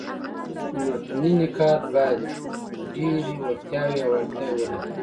متني نقاد باید ډېري وړتیاوي او اړتیاوي ولري.